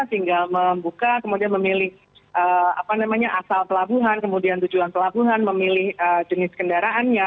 tinggal membuka kemudian memilih asal pelabuhan kemudian tujuan pelabuhan memilih jenis kendaraannya